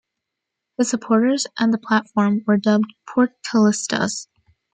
His supporters, and the platform, were dubbed "Portilistas".